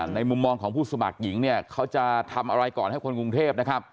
มุมมองของผู้สมัครหญิงเนี่ยเขาจะทำอะไรก่อนให้คนกรุงเทพนะครับ